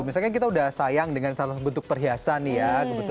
misalnya kita udah sayang dengan salah satu bentuk perhiasan nih ya